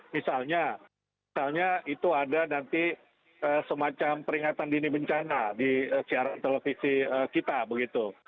misalnya misalnya itu ada nanti semacam peringatan dini bencana di siaran televisi kita begitu